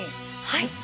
はい。